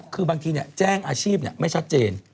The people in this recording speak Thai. คือบางทีเนี่ยแจ้งอาชีพเนี่ยไม่ชัดเจน